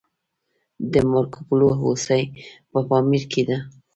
د مارکوپولو هوسۍ په پامیر کې ده